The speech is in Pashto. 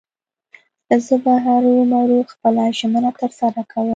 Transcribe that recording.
زه به هرو مرو خپله ژمنه تر سره کوم.